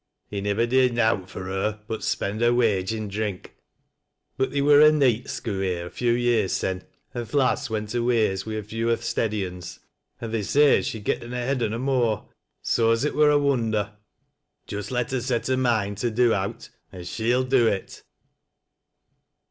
" He uivver did nowt fur her but spend her wage i' drink. Bat theer wur a neet skoo' here a few years sen', an' th' lass went her ways wi' a few o' th' steady uns, an' they say as she getten ahead on 'em aw, so aa it wur a wonder. Just let her set her mind to dc owt an' she'll do it."